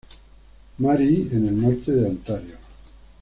Marie en el Norte de Ontario.